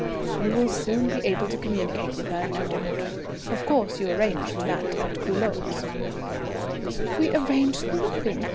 "You will soon be able to communicate with her, no doubt. Of course you arranged that at Culoz?" "We arranged nothing.